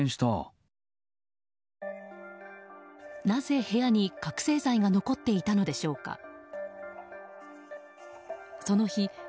なぜ部屋に覚醒剤が残っていたのでしょうか。